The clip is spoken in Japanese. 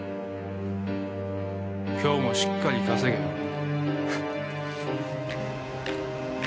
今日もしっかり稼げよ。